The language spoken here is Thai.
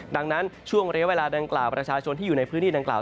ดังนั้นช่วงระยะเวลาดังกล่าวประชาชนที่อยู่ในพื้นที่ดังกล่าว